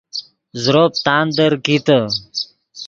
زروپ تاندیر کیتے